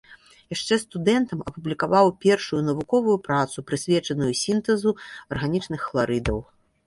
Яшчэ студэнтам апублікаваў першую навуковую працу, прысвечаную сінтэзу арганічных хларыдаў.